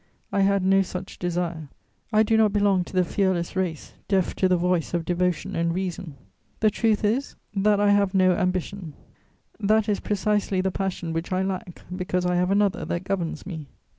I had no such desire. I do not belong to the fearless race, deaf to the voice of devotion and reason. The truth is that I have no ambition; that is precisely the passion which I lack, because I have another that governs me.